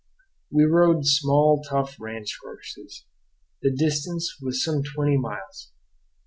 We rode small, tough ranch horses. The distance was some twenty miles.